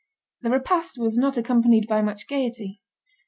The repast was not accompanied by much gaiety.